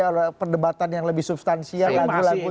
oleh perdebatan yang lebih substansial